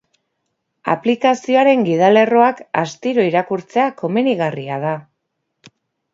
Aplikazioaren gidalerroak astiro irakurtzea komenigarria da.